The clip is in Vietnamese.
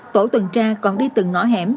tổ tuần tra còn đi từng ngõ hẻm